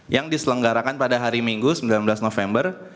yang diselenggarakan pada hari minggu sembilan belas november